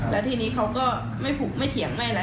แล้วทีนี้เขาก็ไม่ผูกไม่เถียงไม่อะไร